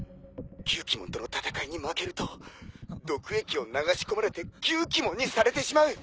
ギュウキモンとの戦いに負けると毒液を流し込まれてギュウキモンにされてしまう！